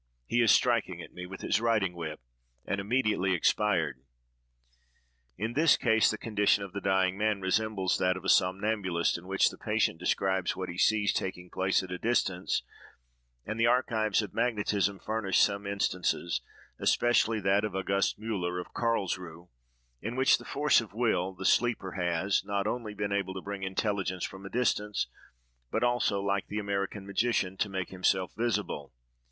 he is striking at me with his riding whip!" and immediately expired. In this case, the condition of the dying man resembles that of a somnambulist, in which the patient describes what he sees taking place at a distance; and the archives of magnetism furnish some instances, especially that of Auguste Müller, of Carlsruhe, in which, by the force of will, the sleeper has not only been able to bring intelligence from a distance, but also, like the American magician, to make himself visible.